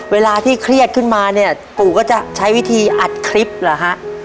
เวลาที่เครียดขึ้นมาเนี่ยปู่ก็จะใช้วิธีอัดคลิปเหรอฮะ